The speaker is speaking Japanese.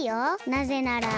なぜなら。